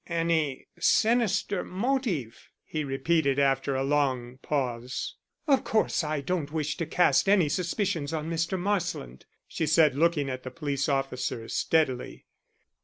"Any sinister motive?" he repeated after a long pause. "Of course I don't wish to cast any suspicions on Mr. Marsland," she said looking at the police officer steadily.